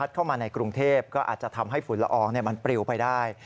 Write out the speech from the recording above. เข้ามาในกรุงเทพก็อาจจะทำให้ฝุ่นละอองมันปลิวไปได้